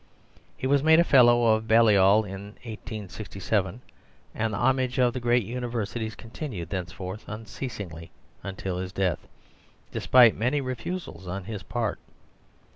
He was made a Fellow of Balliol in 1867, and the homage of the great universities continued thenceforth unceasingly until his death, despite many refusals on his part.